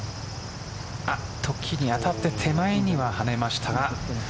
木に当たって手前には跳ねましたが。